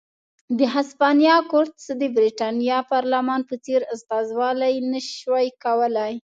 د هسپانیا کورتس د برېټانیا پارلمان په څېر استازولي نه شوای کولای.